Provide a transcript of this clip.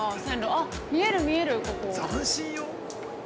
あっ、見える見える、ここ。